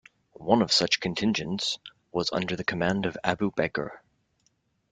One of such contingents was under the command of Abu Bakr.